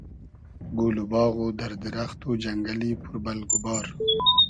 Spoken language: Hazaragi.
گول و باغ و دئر دیرئخت و جئنگئلی پور بئلگ و بار